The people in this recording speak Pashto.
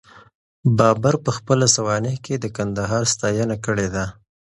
بابر په خپله سوانح کي د کندهار ستاینه کړې ده.